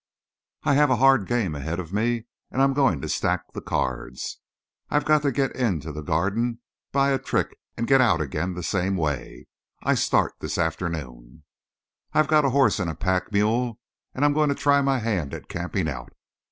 I have a hard game ahead of me and I'm going to stack the cards. I've got to get into the Garden by a trick and get out again the same way. I start this afternoon. I've got a horse and a pack mule, and I'm going to try my hand at camping out.